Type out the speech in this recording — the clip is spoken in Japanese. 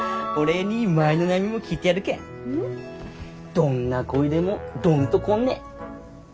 どんな恋でもどんとこんね！